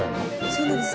そうなんです